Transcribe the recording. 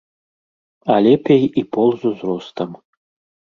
А лепей і пол з узростам.